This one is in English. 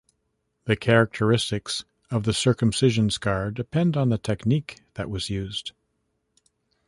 The characteristics of the circumcision scar depend on the technique that was used.